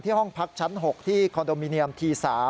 ห้องพักชั้น๖ที่คอนโดมิเนียมที๓